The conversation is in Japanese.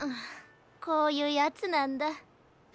こういうやつなんだ。